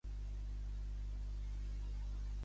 Retornat a Sevilla, no hi continua a la disciplina bètica.